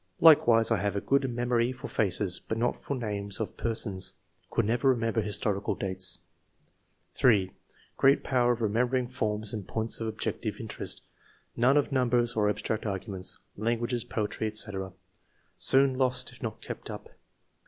Like wise I have a good memory for faces, but not for names of persons ; could never remember h^iatorical dates." II.] QUALITIES. 115 3. " Great power of remembering forms and points of objective interest ; none of numbers or abstract arguments. Languages, poetry, &c., soon lost if not kept up."